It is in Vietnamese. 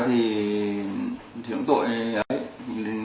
thì cũng tội